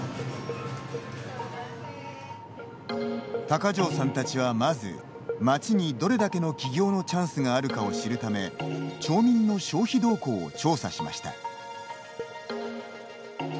高城さんたちはまず町にどれだけの起業のチャンスがあるかを知るため町民の消費動向を調査しました。